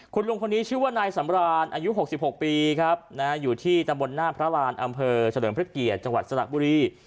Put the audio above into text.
คุณลุงคนนี้ชื่อว่านายสำรานอายุ๖๖ปีครับอยู่ที่ตำบลหน้าพระรานอำเภอเฉลิมพระเกียรติจังหวัดสระบุรี